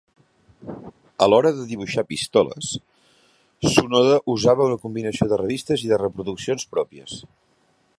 A l'hora de dibuixar pistoles, Sonoda usava una combinació de revistes i de reproduccions pròpies.